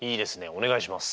お願いします。